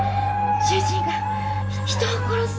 主人が人を殺すなんて。